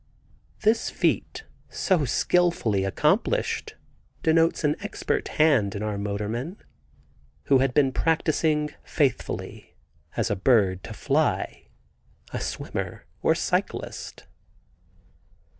This feat, so skilfully accomplished, denotes an expert hand in our motorman, who had been practicing faithfully, as a bird to fly, a swimmer or cyclist.